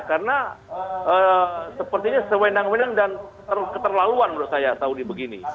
karena sepertinya sewendang wendang dan keterlaluan menurut saya saudi begini